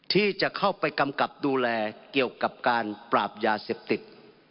ที่จะเข้าไปกำกับดูแลเกี่ยวกับการปราบยาเสพติด